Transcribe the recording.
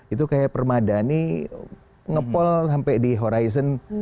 itu kayak permadani ngepol sampai di horizon